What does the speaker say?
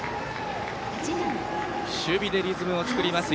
守備でリズムを作ります。